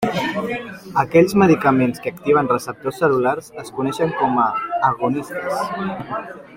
Aquells medicaments que activen receptors cel·lulars es coneixen com a agonistes.